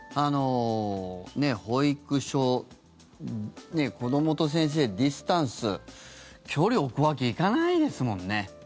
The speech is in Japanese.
保育所、子どもと先生ディスタンス距離を置くわけにはいかないですもんね。